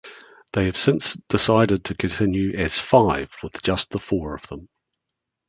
They have since decided to continue as Five with just the four of them.